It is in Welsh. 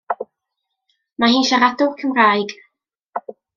Mae hi'n siaradwr Cymraeg.